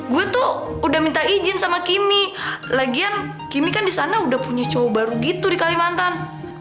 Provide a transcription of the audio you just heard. gue tuh udah minta izin sama kimmy lagian kimmy kan di sana udah punya cowok baru gitu di kalimantan